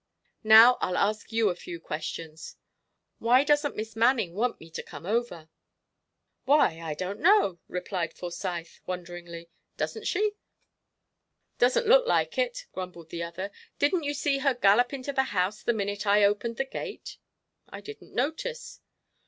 Now, I'll ask you a few questions. Why doesn't Miss Manning want me to come over?" "Why, I don't know," replied Forsyth, wonderingly; "doesn't she?" "Doesn't look like it," grumbled the other. "Didn't you see her gallop into the house the minute I opened the gate?" "I didn't notice."